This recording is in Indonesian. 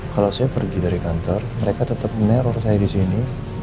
kalau saya pergi dari kantor mereka tetep meneror saya disini